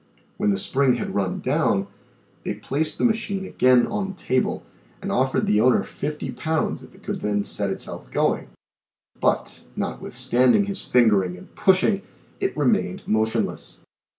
When the spring had run down, they placed the machine again on the table and offered the owner fifty pounds if it could then set itself going, but notwithstanding his fingering and pushing, it re mained motionless.